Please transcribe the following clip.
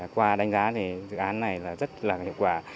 qua đánh giá thì dự án này là rất là hiệu quả